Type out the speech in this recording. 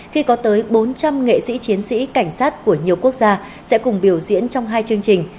khi có tới bốn trăm linh nghệ sĩ chiến sĩ cảnh sát của nhiều quốc gia sẽ cùng biểu diễn trong hai chương trình